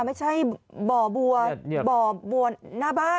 ไม่ใช่เบาะบัวหน้าบ้าน